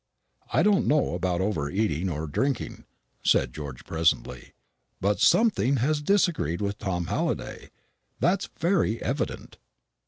"I don't know about over eating or drinking," said George presently; "but something has disagreed with Tom Halliday, that's very evident."